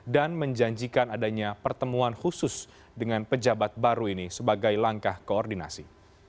dan menjanjikan adanya pertemuan khusus dengan pejabat baru ini sebagai langkah koordinasi